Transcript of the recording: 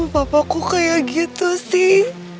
papaku kayak gitu sih